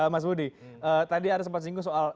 mas budi tadi ada sempat singgung soal